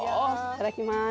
いただきます。